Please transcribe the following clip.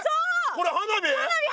これ花火！？